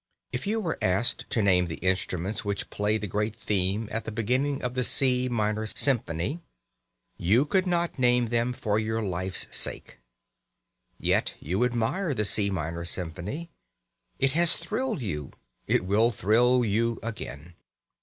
If you were asked to name the instruments which play the great theme at the beginning of the C minor symphony you could not name them for your life's sake. Yet you admire the C minor symphony. It has thrilled you. It will thrill you again.